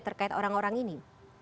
terkait orang orang ini